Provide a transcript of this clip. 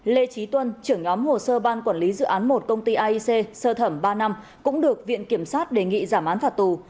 lê trí tuân trưởng nhóm hồ sơ ban quản lý dự án một công ty aic sơ thẩm ba năm cũng được viện kiểm sát đề nghị giảm án phạt tù